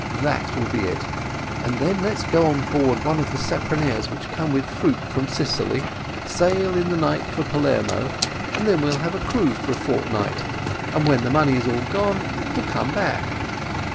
That will be it; and then let's get on board one of the speronares which come with fruit from Sicily, sail in the night for Palermo, and then we'll have a cruise for a fortnight, and when the money is all gone we'll come back."